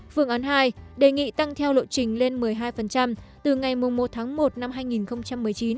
phương án hai đề nghị tăng theo lộ trình lên một mươi hai từ ngày một tháng một năm hai nghìn một mươi chín